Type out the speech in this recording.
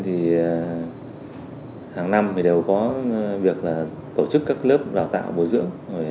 hàng năm đều có việc tổ chức các lớp đào tạo bồi dưỡng